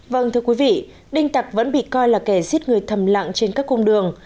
vâng thưa quý vị đinh tặc vẫn bị coi là kẻ giết người thầm lặng trên các cung đường